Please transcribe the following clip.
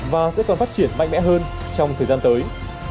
và sẽ còn phát triển mạnh mẽ hơn trong thời gian tới